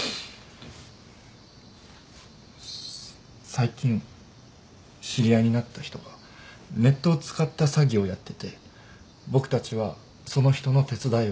最近知り合いになった人がネットを使った詐欺をやってて僕たちはその人の手伝いをしてしまった。